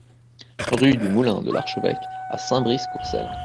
Rue du Moulin de l'Archeveque à Saint-Brice-Courcelles